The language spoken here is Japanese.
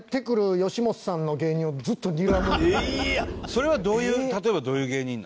それはどういう例えばどういう芸人なの？